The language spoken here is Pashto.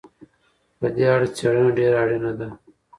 په دې اړه څېړنه ډېره اړينه ده.